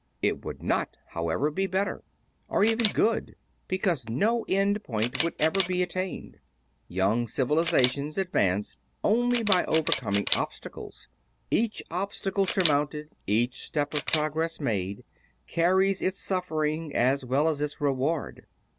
It would not, however, be better; or even good; because no end point would ever be attained. Young civilizations advance only by overcoming obstacles. Each obstacle surmounted, each step of progress made, carries its suffering as well as its reward.